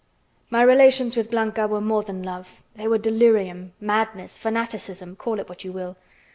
My relations with Blanca were more than love; they were delirium, madness, fanaticism, call it what you will.